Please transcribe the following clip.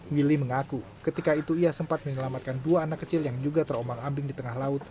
willy mengaku ketika itu ia sempat menyelamatkan dua anak kecil yang juga terombang ambing di tengah laut